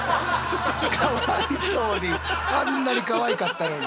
かわいそうにあんなにかわいかったのに。